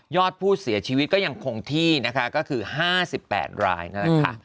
อดผู้เสียชีวิตก็ยังคงที่นะคะก็คือ๕๘รายนั่นแหละค่ะ